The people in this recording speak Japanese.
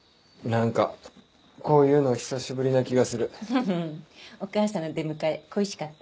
フフフお母さんの出迎え恋しかった？